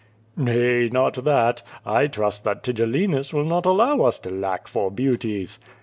"Nay, not that. I trust that Tigellinus will not allow us to lack for beauties."